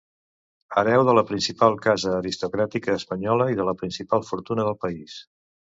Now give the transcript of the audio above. Hereu de la principal casa aristocràtica espanyola i de la principal fortuna del país.